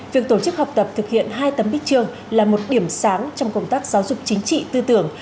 việc tổ chức học tập thực hiện hai tấm bích trường là một điểm sáng trong công tác giáo dục chính trị tư tưởng